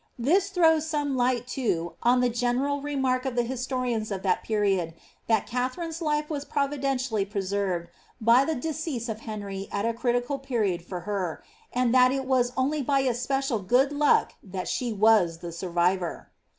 This throws some light, too, oo the general remark of the historians of that period, that Katharine's life was {)rovidentially preserved by the decease of Henry at a critical period for ler ; and that it was only by especial good luck, that she was the sin^ Tivor.